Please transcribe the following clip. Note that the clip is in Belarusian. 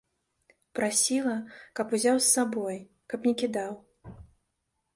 Прасіла, каб узяў з сабой, каб не кідаў.